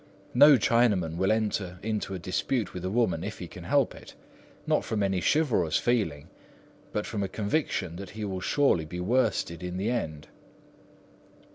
No Chinaman will enter into a dispute with a woman if he can help it,—not from any chivalrous feeling, but from a conviction that he will surely be worsted in the end.